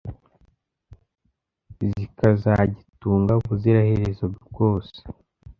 zikazagitunga ubuziraherezo bwose